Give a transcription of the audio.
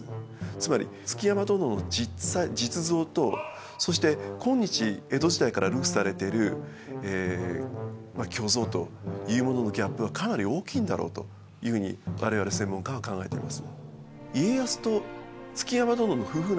つまり築山殿の実像とそして今日江戸時代から流布されてるまあ虚像というもののギャップはかなり大きいんだろうというふうに我々専門家は考えています。